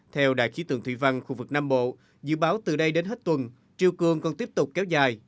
theo đại khí tượng thủy văn khu vực nam bộ dự báo từ nay đến hết tuần triều cường còn tiếp tục kéo dài